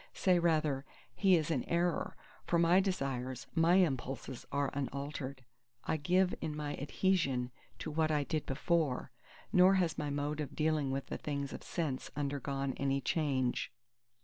Say rather: He is in error; for my desires, my impulses are unaltered. I give in my adhesion to what I did before; nor has my mode of dealing with the things of sense undergone any change.